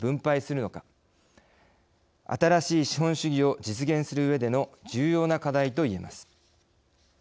新しい資本主義を実現するうえでの重要な課題といえます。